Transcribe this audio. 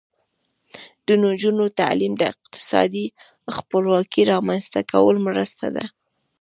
د نجونو تعلیم د اقتصادي خپلواکۍ رامنځته کولو مرسته ده.